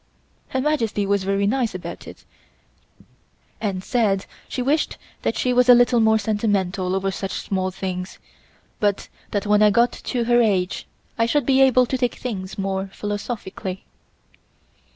Her Majesty was very nice about it and said she wished that she was a little more sentimental over such small things, but that when I got to her age I should be able to take things more philosophically.